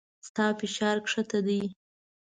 ستا فشار کښته دی